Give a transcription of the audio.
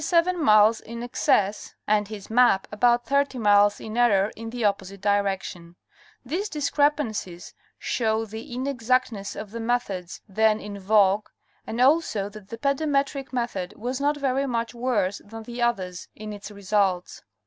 27 miles in excess ; and his map about 30 miles in error in the opposite direction. These discrepancies show the inexact ness of the methods then in vogue and also that the pedometric Review of Bering's First Expedition, 1725 30. 117 method was not very much worse than the others in its results.